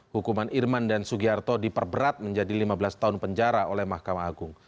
hukuman irman dan sugiarto diperberat menjadi lima belas tahun penjara oleh mahkamah agung